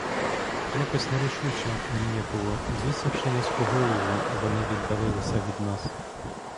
Якось нерішуче, ніяково, звісивши низько голову, вони відділилися від нас.